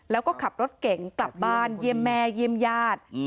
แล้วก็ขับรถเก่งกลับบ้านเยมแมเยมญาติ